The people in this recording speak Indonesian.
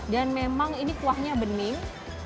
dan memang ini kuahnya bening